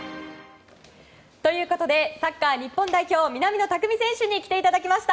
ということでサッカー日本代表南野拓実選手に来ていただきました。